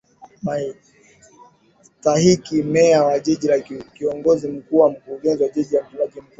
Mstahiki Meya wa Jiji ni Kiongozi Mkuu na Mkurugenzi wa Jiji ni Mtendaji Mkuu